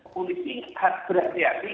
polisi harus berhati hati